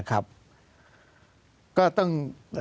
ก็ต้อง